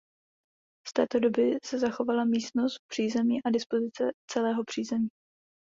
Z této doby se zachovala místnost v přízemí a dispozice celého přízemí.